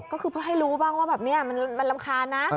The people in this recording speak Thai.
ก็คือเพื่อให้รู้บ้างว่าแบบนี้มันรำคาญนะ